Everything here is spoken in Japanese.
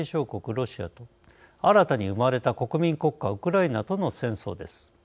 ロシアと、新たに生まれた国民国家ウクライナとの戦争です。